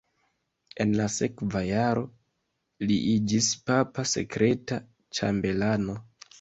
En la sekva jaro li iĝis papa sekreta ĉambelano.